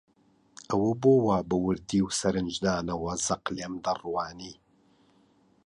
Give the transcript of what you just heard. ئەوە بۆ وا بە وردی و سەرنجدانەوە زەق لێم دەڕوانی؟